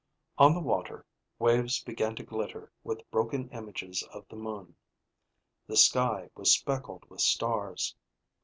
On the water, waves began to glitter with broken images of the moon. The sky was speckled with stars.